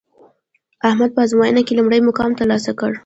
احمد په ازموینه کې لومړی مقام ترلاسه کړ